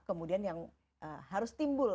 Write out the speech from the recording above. kemudian yang harus timbul